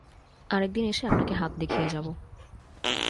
আরেকদিন এসে আপনাকে হাত দেখিয়ে যাব।